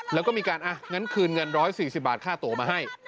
แล้วก็มีการงั้นคืนเงิน๑๔๐บาทค่าตัวมาให้